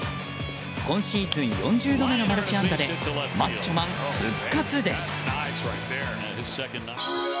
今シーズン４０度目のマルチ安打でマッチョマン復活です。